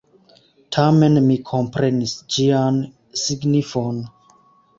Tamen mi komprenis ĝian signifon.